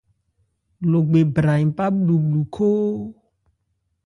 Logbe bra npá bhlubhlu khóó.